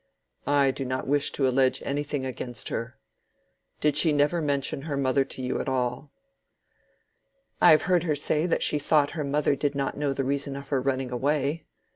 "I do not wish to allege anything against her. Did she never mention her mother to you at all?" "I have heard her say that she thought her mother did not know the reason of her running away.